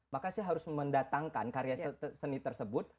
maka saya harus mendatangkan karya seni tersebut